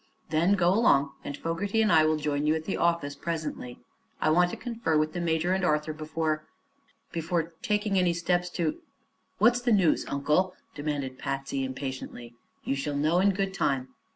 "Then go along, and Fogerty and I will join you at the office presently. I want to confer with the major and Arthur before before taking any steps to " "What's the news, Uncle?" demanded Patsy, impatiently. "You shall know in good time."